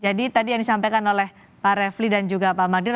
jadi tadi yang disampaikan oleh pak refli dan juga pak magdir